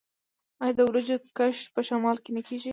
آیا د وریجو کښت په شمال کې نه کیږي؟